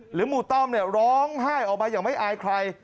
หรือหมู่ต้อมร้องไห้ออกมาอย่างไม่อายใคร